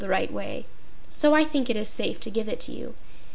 the right way, so I think it is safe to give it to you.